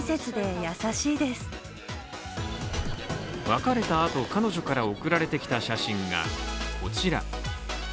別れたあと、彼女から送られてきた写真がこちら。